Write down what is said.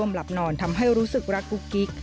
หลับนอนทำให้รู้สึกรักกุ๊กกิ๊ก